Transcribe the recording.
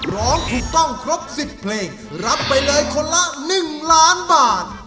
ร้องถูกต้องครบ๑๐เพลงรับไปเลยคนละ๑ล้านบาท